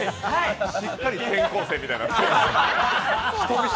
しっかり転校生みたいになってる。